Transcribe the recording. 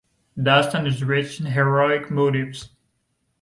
Dastan is rich in heroic motives.